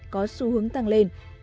có xu hướng tăng lên